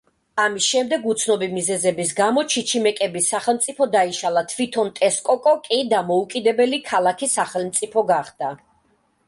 ამის შემდეგ უცნობი მიზეზების გამო ჩიჩიმეკების სახელმწიფო დაიშალა, თვითონ ტესკოკო კი დამოუკიდებელი ქალაქი-სახელმწიფო გახდა.